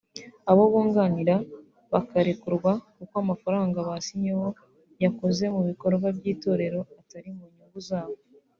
abo bunganira bakarekurwa kuko amafaranga basinyeho yakoze mu bikorwa by’itorero atari mu nyungu zabo